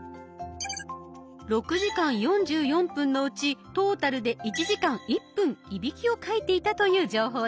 ６時間４４分のうちトータルで１時間１分いびきをかいていたという情報です。